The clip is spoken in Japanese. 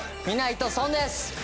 見ないと損です。